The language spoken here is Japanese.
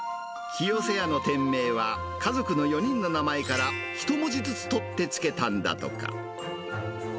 きよせやの店名は、家族の４人の名前から、ひともじずつ取ってつけたんだとか。